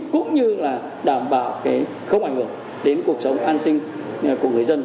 cũng như là đảm bảo không ảnh hưởng đến cuộc sống an sinh của người dân